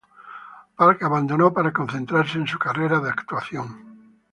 Park abandonó para concentrarse en su carrera de actuación.